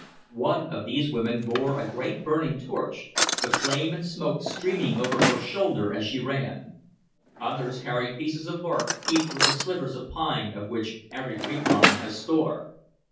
One of these women bore a great burning torch, the flame and smoke streaming over her shoulder as she ran. Others carried pieces of bark heaped with the slivers of pine of which every wigwam has store.